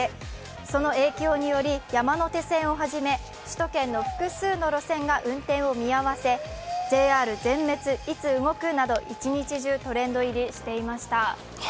その影響により山手線をはじめ首都圏の複数の路線が運転を見合わせ、ＪＲ全滅、いつ動くなど一日中、トレンド入りしていました